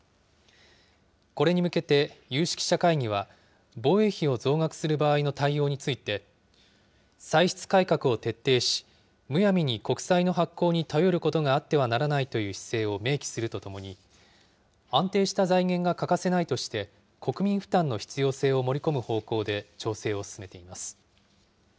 これに向けて有識者会議は、防衛費を増額する場合の対応について、歳出改革を徹底し、むやみに国債の発行に頼ることがあってはならないという姿勢を明記するとともに、安定した財源が欠かせないとして、国民負担の必要性を盛り込む方向で調整を進めています。